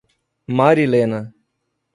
Marilena